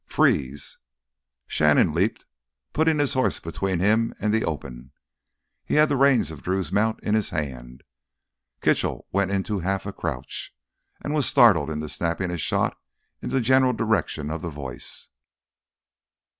"Freeze!" Shannon leaped, putting his horse between him and the open. He had the reins of Drew's mount in his hand. Kitchell went into a half crouch, and was startled into snapping a shot in the general direction of the voice.